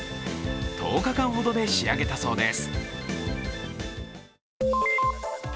１０日間ほどで仕上げたそうです。